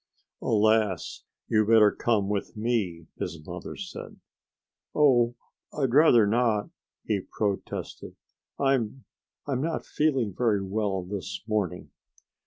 Alas! "You'd better come with me," his mother said. "Oh, I'd rather not," he protested. "I I'm not feeling very well this morning."